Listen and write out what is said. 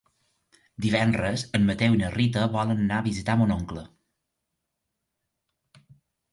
Divendres en Mateu i na Rita volen anar a visitar mon oncle.